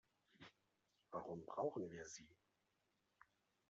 Warum brauchen wir sie?